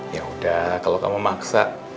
ya udah kalau kamu maksa